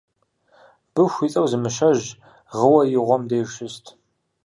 Быху ицӀэу зы мыщэжь гъыуэ и гъуэм деж щыст